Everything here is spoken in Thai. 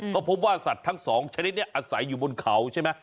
ก็พบว่าสัตว์ทั้ง๒ชนิดนี้อาศัยอยู่บนเขาใช่ไหม